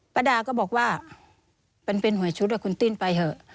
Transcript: ประดาก็บอกว่าเป็นหวยชุดให้คุณติ้นไปเถอะ